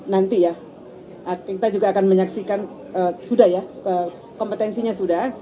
nanti ya kita juga akan menyaksikan sudah ya kompetensinya sudah